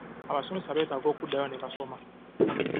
Abasomesa beetaaga okuddayo ne basoma.